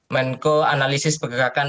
menko analisis pergerakan